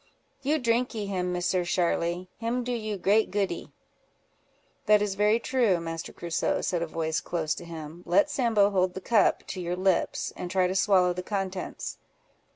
"You drinkee him, Misser Sharly; him do you great goodee." "That is very true, Master Crusoe," said a voice close to him. "Let Sambo hold the cup to your lips, and try to swallow the contents."